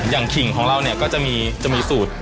อย่างขิงของเราก็จะมีสูตร